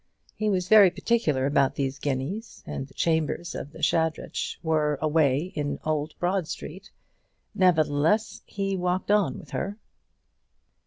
He was very particular about these guineas, and the chambers of the Shadrach were away in Old Broad Street. Nevertheless he walked on with her.